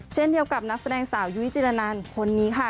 เช่นเดียวกับนักแสดงสาวยุ้ยจิรนันคนนี้ค่ะ